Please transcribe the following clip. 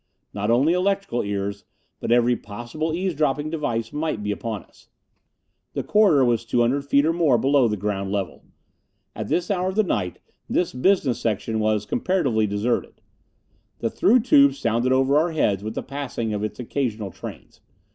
Not only electrical ears, but every possible eavesdropping device might be upon us. The corridor was two hundred feet or more below the ground level. At this hour of the night this business section was comparatively deserted. The through tube sounded over our heads with the passing of its occasional trains.